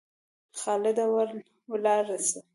خالده ولاړ سه!